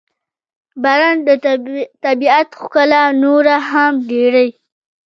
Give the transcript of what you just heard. • باران د طبیعت ښکلا نوره هم ډېروي.